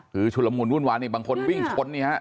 คือชุดละมุนวุ่นวายนี่บางคนวิ่งชนนี่ฮะ